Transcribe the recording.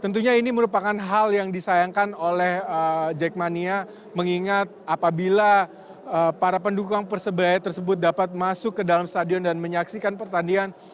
tentunya ini merupakan hal yang disayangkan oleh jackmania mengingat apabila para pendukung persebaya tersebut dapat masuk ke dalam stadion dan menyaksikan pertandingan